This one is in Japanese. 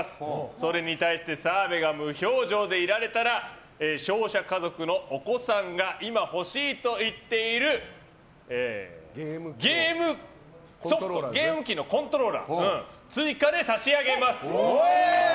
それに対して澤部が無表情でいられたら勝者家族のお子さんが今欲しいと言っているゲーム機のコントローラーを追加で差し上げます！